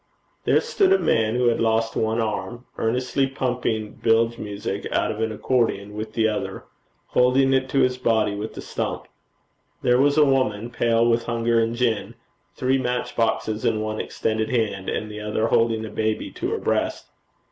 There stood a man who had lost one arm, earnestly pumping bilge music out of an accordion with the other, holding it to his body with the stump. There was a woman, pale with hunger and gin, three match boxes in one extended hand, and the other holding a baby to her breast.